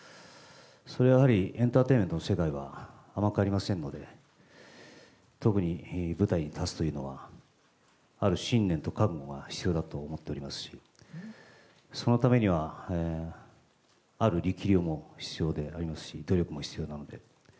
それはやはり、エンターテインメントの世界は甘くありませんので、特に舞台に立つというのは、ある信念と覚悟が必要だと思っておりますし、そのためには、ある力量も必要でありますし、努力も必要なので。